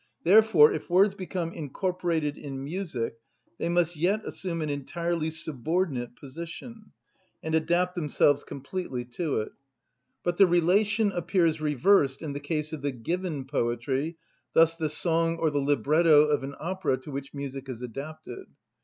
Therefore, if words become incorporated in music, they must yet assume an entirely subordinate position, and adapt themselves completely to it. But the relation appears reversed in the case of the given poetry, thus the song or the libretto of an opera to which music is adapted.